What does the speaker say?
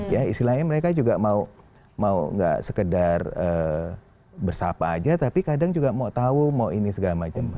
ya istilahnya mereka juga mau nggak sekedar bersapa aja tapi kadang juga mau tahu mau ini segala macam